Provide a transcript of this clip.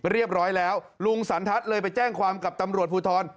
ร้อยลุงสันทัศน์เลยไปแจ้งความกับตำรวจภูทร